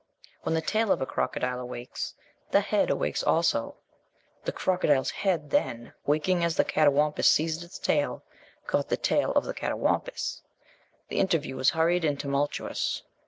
When the tail of a crocodile awakes the head awakes also. The crocodile's head, then, waking as the catawampuss seized its tail, caught the tail of the catawampuss. The interview was hurried and tumultuous.